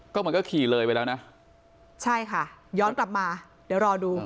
ก็เหมือนก็ขี่เลยไปแล้วนะใช่ค่ะย้อนกลับมาเดี๋ยวรอดู